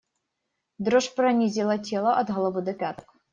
Дрожь пронизала тело от головы до пяток.